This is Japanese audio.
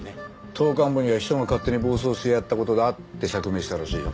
党幹部には秘書が勝手に暴走してやった事だって釈明したらしいよ。